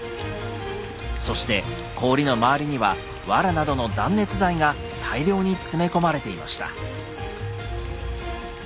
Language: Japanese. そして氷の周りにはわらなどの断熱材が大量に詰め込まれていました。